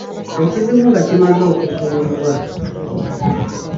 Ekizibu nga kimaze okuzuulibwa.